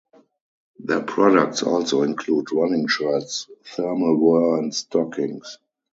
Their products also include running shirts, thermal wear, and stockings.